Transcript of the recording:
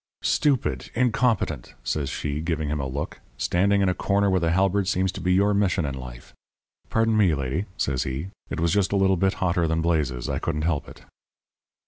"'Stupid incompetent,' says she, giving him a look. 'Standing in a corner with a halberd seems to be your mission in life.' "'Pardon me, lady,' says he. 'It was just a little bit hotter than blazes. I couldn't help it.'